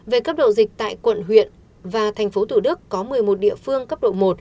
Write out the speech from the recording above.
về cấp độ dịch tại quận huyện và thành phố thủ đức có một mươi một địa phương cấp độ một